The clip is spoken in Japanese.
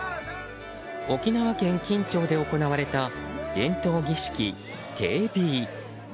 沖縄県金武町で行われた伝統儀式、テービー。